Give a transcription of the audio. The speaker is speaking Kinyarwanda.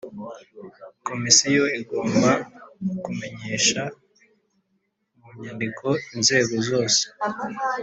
Komisiyo igomba kumenyesha mu nyandiko inzego zose